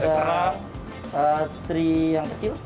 terus kita juga ada teri yang kecil